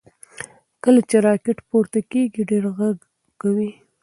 کله چې راکټ پورته کیږي ډېر غږ کوي.